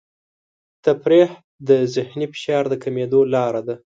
تفریح د ذهني فشار د کمېدو لاره ده.